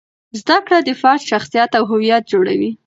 زده کړه د فرد شخصیت او هویت جوړوي.